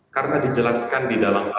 karena dijelaskan di dalam pasal dua belas b